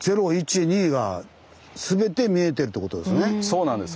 そうなんです。